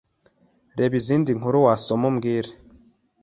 reba Izindi nkuru wasoma umbwire